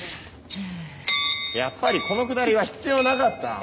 やっぱりこのくだりは必要なかった。